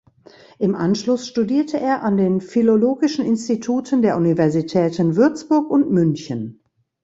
Im Anschluss studierte er an den Philologischen Instituten der Universitäten Würzburg und München.